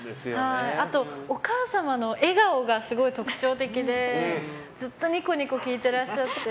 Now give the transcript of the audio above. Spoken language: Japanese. あと、お母様の笑顔がすごい特徴的でずっとニコニコ聴いていらっしゃって。